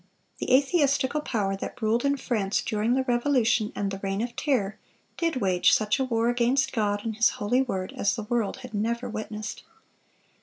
The atheistical power that ruled in France during the Revolution and the Reign of Terror, did wage such a war against God and His holy word as the world had never witnessed.